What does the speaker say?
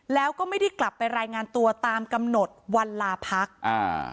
แล้วก็ไม่ได้กลับไปรายงานตัวตามกำหนดวันลาพักอ่า